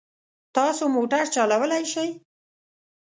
تاسو موټر چلولای شئ؟